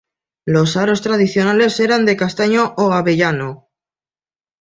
Los aros tradicionales eran de castaño o avellano.